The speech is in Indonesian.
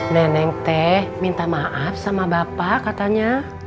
neneng teh minta maaf sama bapak katanya